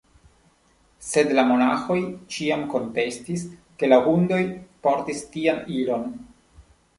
Sed la monaĥoj ĉiam kontestis, ke la hundoj portis tian ilon.